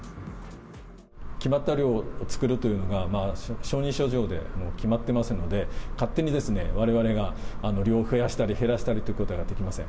決まった量を作るというのが、承認書状で決まっていますので、勝手にわれわれが量を増やしたり減らしたりということができません。